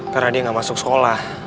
karena dia gak masuk sekolah